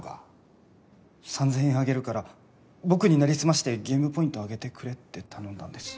３０００円あげるから僕になりすましてゲームポイント上げてくれって頼んだんです。